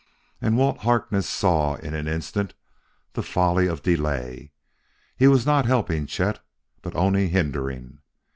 And Walt Harkness saw in an instant the folly of delay: he was not helping Chet, but only hindering....